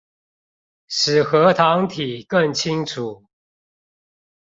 使核糖體更清楚